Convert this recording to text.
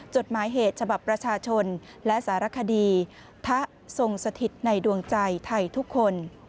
จดหมายเหตุฉบับประชาชนและสารคดีทะทรงสถิตในดวงใจไทยทุกคน